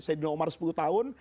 sayyidina umar sepuluh tahun